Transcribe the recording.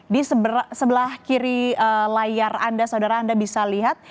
di sebelah kiri layar anda saudara anda bisa lihat